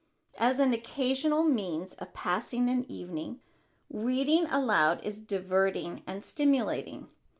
As an occasional means of passing an evening, reading aloud is diverting and stimulating.